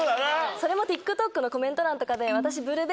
それもＴｉｋＴｏｋのコメント欄とかで。